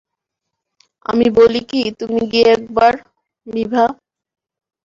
আমি বলি কি, তুমি গিয়ে একবার– বিভা।